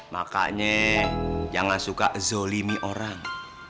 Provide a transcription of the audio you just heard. makanya jangan suka zolimi orang